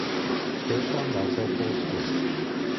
Stefan war sofort tot.